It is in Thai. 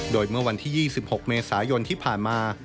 โดยเมื่อวันที่๒๖เมษายนที่ผ่านมา